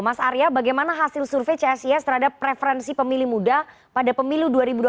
mas arya bagaimana hasil survei csis terhadap preferensi pemilih muda pada pemilu dua ribu dua puluh